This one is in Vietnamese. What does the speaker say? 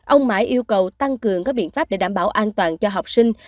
ông mãi yêu cầu tăng cường các biện pháp để đảm bảo an toàn cho học sinh